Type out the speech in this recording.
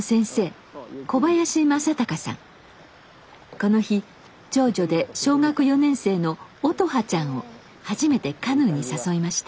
この日長女で小学４年生の音葉ちゃんを初めてカヌーに誘いました。